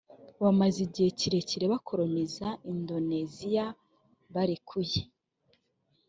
bamaze igihe kirekire bakoroniza indoneziya barekuye